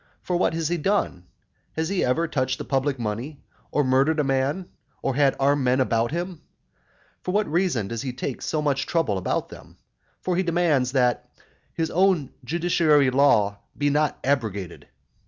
For what has he done? has he ever touched the public money, or murdered a man, or had armed men about him? But what reason has he for taking so much trouble about them? For he demands, "that his own judiciary law be not abrogated."